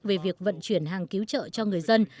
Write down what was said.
về việc vận chuyển hàng cứu trợ cho người dân